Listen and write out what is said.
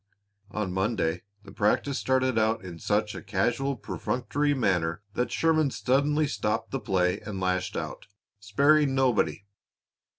On Monday the practice started out in such a casual, perfunctory manner that Sherman suddenly stopped the play and lashed out, sparing nobody.